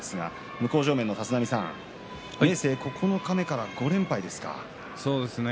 向正面の立浪さん明生、九日目から５連敗ですね。